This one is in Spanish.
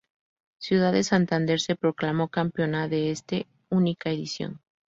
Ciudad de Santander se proclamó campeona de este única edición.